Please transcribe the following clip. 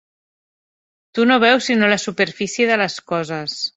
Tu no veus sinó la superfície de les coses.